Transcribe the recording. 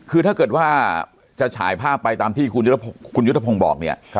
คือถ้าเกิดว่าจะฉายภาพไปตามที่คุณยุทธพงศ์บอกเนี่ย